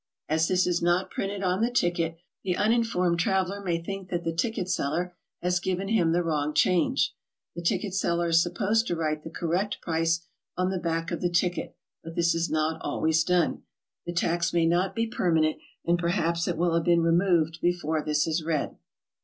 As this is not printed on the ticket, the uninformed traveler may think that the ticket seller has given him the wrong change. The ticket seller is supposed to write the correct price on the back of the ticket, but this is not always done. The tax may not be permanent, and perhaps it will have been removed before this is read.